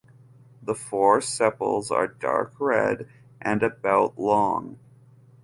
The four sepals are dark red and about long.